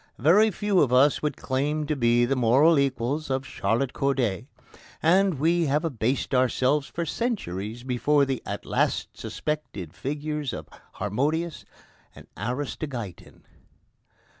Very few of us would claim to be the moral equals of Charlotte Corday, and we have abased ourselves for centuries before the at last suspected figures of Harmodius and Aristogeiton.